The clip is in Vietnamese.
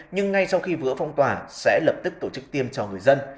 nhưng ngay sau khi vứa phong tỏa sẽ lập tức tổ chức tiêm cho người dân